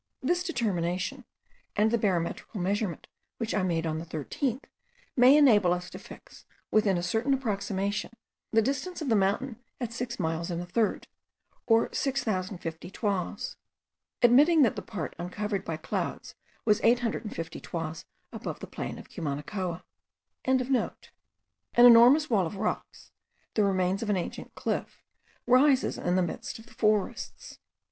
This determination, and the barometrical measurement which I made on the 13th, may enable us to fix, within a certain approximation, the distance of the mountain at six miles and a third, or 6050 toises; admitting that the part uncovered by clouds was 850 toises above the plain of Cumanacoa.) An enormous wall of rocks, the remains of an ancient cliff, rises in the midst of the forests.